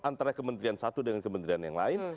antara kementerian satu dengan kementerian yang lain